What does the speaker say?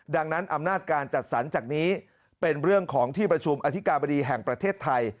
ดังนั้นอำนาจการจัดสรรจากนี้เป็นเรื่องของที่ประชุมอธิกาบดีแห่งประเทศไทย